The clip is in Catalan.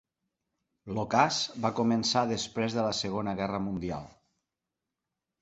L'ocàs va començar després de la segona guerra mundial.